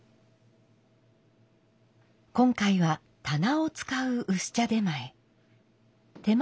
今回は棚を使う薄茶点前。